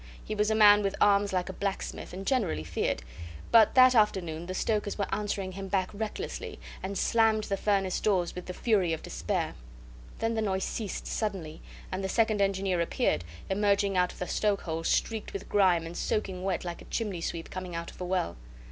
He was a man with arms like a blacksmith, and generally feared; but that afternoon the stokers were answering him back recklessly, and slammed the furnace doors with the fury of despair. Then the noise ceased suddenly, and the second engineer appeared, emerging out of the stokehold streaked with grime and soaking wet like a chimney sweep coming out of a well.